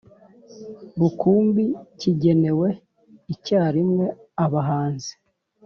Rukumbi kigenewe icyarimwe abahanzi